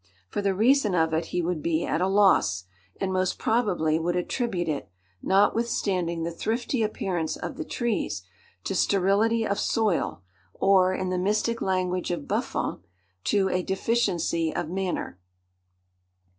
For the reason of it he would be at a loss, and most probably would attribute it, notwithstanding the thrifty appearance of the trees, to sterility of soil, or, in the mystic language of Buffon, to 'a deficiency of matter.